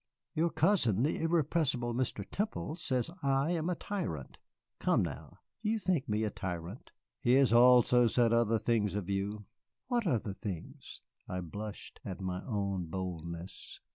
"Your cousin, the irrepressible Mr. Temple, says I am a tyrant. Come now, do you think me a tyrant?" "He has also said other things of you." "What other things?" I blushed at my own boldness.